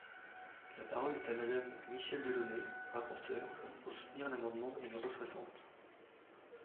La parole est à Madame Michèle Delaunay, rapporteure, pour soutenir l’amendement numéro soixante.